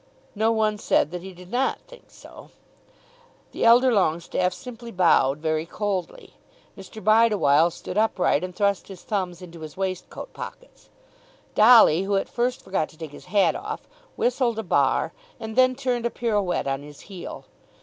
No one said that he did not think so. The elder Longestaffe simply bowed very coldly. Mr. Bideawhile stood upright and thrust his thumbs into his waistcoat pockets. Dolly, who at first forgot to take his hat off, whistled a bar, and then turned a pirouette on his heel.